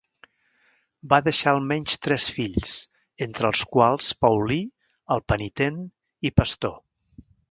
Va deixar almenys tres fills, entre els quals Paulí el Penitent i Pastor.